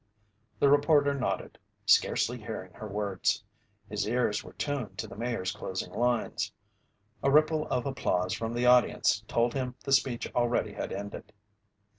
The reporter nodded, scarcely hearing her words. His ears were tuned to the Mayor's closing lines. A ripple of applause from the audience told him the speech already had ended.